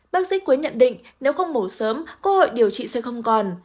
bác sĩ quế nhận định nếu không mổ sớm cơ hội điều trị sẽ không còn